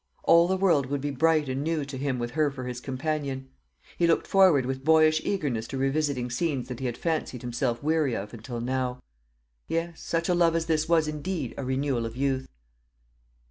All the world would be bright and new to him with her for his companion. He looked forward with boyish eagerness to revisiting scenes that he had fancied himself weary of until now. Yes; such a love as this was indeed a renewal of youth.